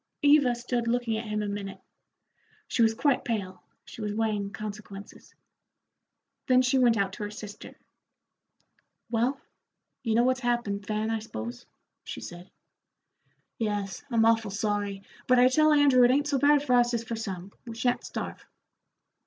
Eva stood looking at him a minute. She was quite pale, she was weighing consequences. Then she went out to her sister. "Well, you know what's happened, Fan, I s'pose," she said. "Yes, I'm awful sorry, but I tell Andrew it ain't so bad for us as for some; we sha'n't starve."